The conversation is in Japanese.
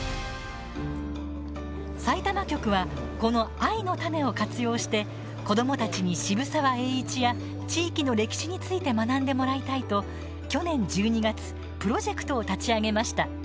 さいたま局はこの藍の種を活用して子どもたちに渋沢栄一や地域の歴史について学んでもらいたいと、去年１２月プロジェクトを立ち上げました。